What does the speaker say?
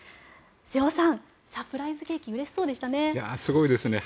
瀬尾さん、サプライズケーキうれしそうでしたね。